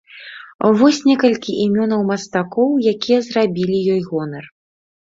Вось некалькі імёнаў мастакоў, якія зрабілі ёй гонар.